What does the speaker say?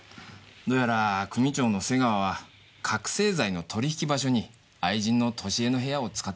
どうやら組長の瀬川は覚せい剤の取り引き場所に愛人の俊江の部屋を使ったんだね。